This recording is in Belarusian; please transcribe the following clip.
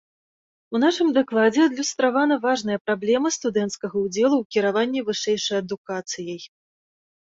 У нашым дакладзе адлюстравана важная праблема студэнцкага ўдзелу ў кіраванні вышэйшай адукацыяй.